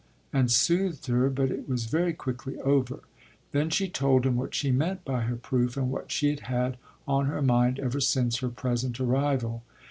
and soothed her; but it was very quickly over. Then she told him what she meant by her proof and what she had had on her mind ever since her present arrival.